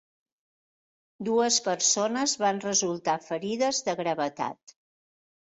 Dues persones van resultar ferides de gravetat.